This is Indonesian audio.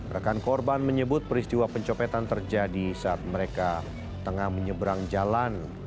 rekan korban menyebut peristiwa pencopetan terjadi saat mereka tengah menyeberang jalan